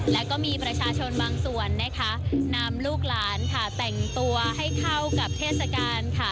และก็มีประชาชนบางส่วนนะคะนำลูกหลานค่ะแต่งตัวให้เข้ากับเทศกาลค่ะ